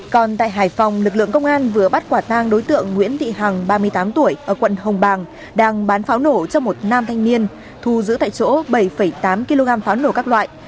còn tại hải phòng lực lượng công an vừa bắt quả tang đối tượng nguyễn thị hằng ba mươi tám tuổi ở quận hồng bàng đang bán pháo nổ cho một nam thanh niên thu giữ tại chỗ bảy tám kg pháo nổ các loại